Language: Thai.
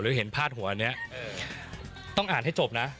แล้วเห็นพาดหัวเนี่ยต้องอ่านให้จบนะ